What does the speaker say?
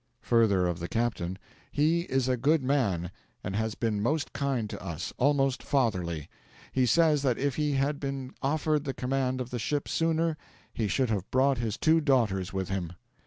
Further of the captain: 'He is a good man, and has been most kind to us almost fatherly. He says that if he had been offered the command of the ship sooner he should have brought his two daughters with him.'